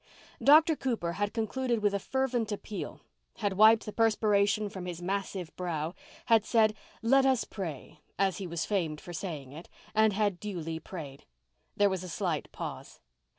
Dr. Cooper had concluded with a fervent appeal, had wiped the perspiration from his massive brow, had said "Let us pray" as he was famed for saying it, and had duly prayed. There was a slight pause.